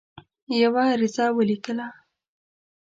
یوه عریضه ولیکله.